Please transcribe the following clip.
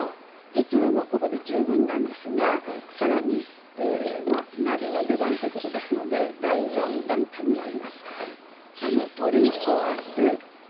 普通はもうここで十分なんですが更にナビの出番ということですので第４段階にまいります。